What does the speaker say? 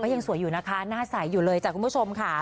ก็ยังสวยอยู่นะค่ะน่าใสอยู่เลยจากครูปผู้ชมค่ะ